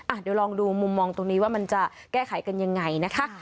เดี๋ยวลองดูมุมมองตรงนี้ว่ามันจะแก้ไขกันยังไงนะคะ